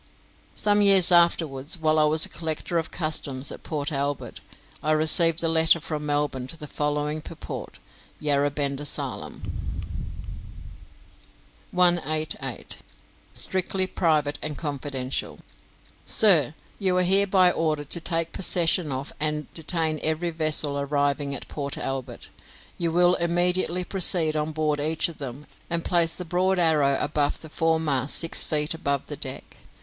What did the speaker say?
Some years afterwards, while I was Collector of Customs at Port Albert, I received a letter from Melbourne to the following purport: "Yarra Bend Asylum, 188 "Strictly private and confidential "Sir, You are hereby ordered to take possession of and detain every vessel arriving at Port Albert. You will immediately proceed on board each of them, and place the broad arrow abaft the foremast six feet above the deck.